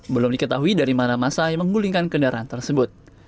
belum diketahui dari mana masa yang menggulingkan kendaraan tersebut